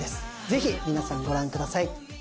是非皆さんご覧ください